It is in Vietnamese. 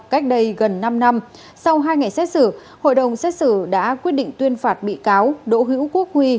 cách đây gần năm năm sau hai ngày xét xử hội đồng xét xử đã quyết định tuyên phạt bị cáo đỗ hữu quốc huy